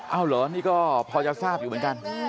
เอาเหรอนี่ก็พอจะทราบอยู่เหมือนกัน